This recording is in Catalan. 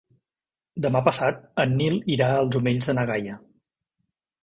Demà passat en Nil irà als Omells de na Gaia.